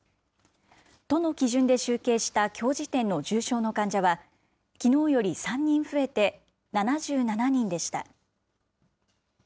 都の基準で集計したきょう時点の重症の患者は、きのうより３人増えて７７人でした。